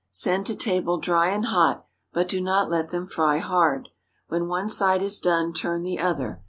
Send to table dry and hot, but do not let them fry hard. When one side is done, turn the other.